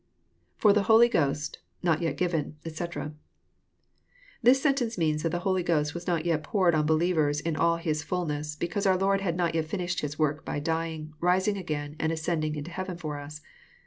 IFor the Holy Ghost... not yet given, etc."] This sentence means that the Holy Ghost was not yet poured on believers in all His ftilness, because oar Lord had not yet finished His "work by dying, rising again, and ascending into heaven for us.